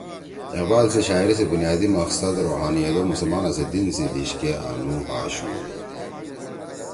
اقبال سی شاعری سی بُنیادی مقصد تصوّف)روحانیت) او مسلمانا سی دین سی دیِشکے آنُو آشُو